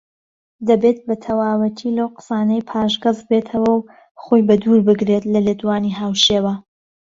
دەبێت بەتەواوەتی لەو قسانەی پاشگەزبێتەوە و خۆی بە دوور بگرێت لە لێدوانی هاوشێوە